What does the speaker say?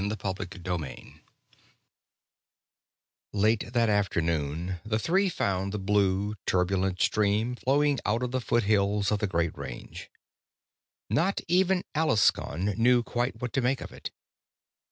Late that afternoon, the three found the blue, turbulent stream flowing out of the foothills of the Great Range. Not even Alaskon knew quite what to make of it.